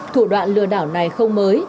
thủ đoạn lừa đảo này không mới